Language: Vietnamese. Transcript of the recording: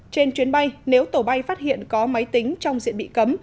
trên chuyến bay nếu tổ bay phát hiện có máy tính trong diện bị cấm